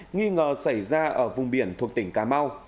nghi ngờ xảy ra ở vùng biển thuộc tỉnh cà mau